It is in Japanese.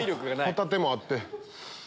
ホタテもあって。